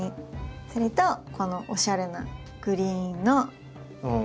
それとこのおしゃれなグリーンの恐竜。